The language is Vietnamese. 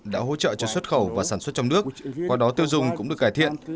đã hỗ trợ cho xuất khẩu và sản xuất trong nước qua đó tiêu dùng cũng được cải thiện